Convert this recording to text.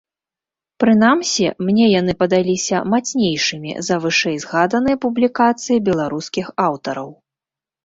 Прынамсі, мне яны падаліся мацнейшымі за вышэй згаданыя публікацыі беларускіх аўтараў.